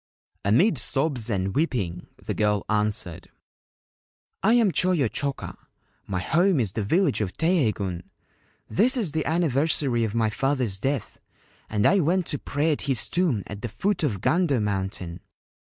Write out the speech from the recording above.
Amid sobs and weeping the girl answered : 4 1 am Choyo Choka. My home is the village of Teiheigun. This is the anniversary of my father's death, and I went to pray at his tomb at the foot of Gando Mountain.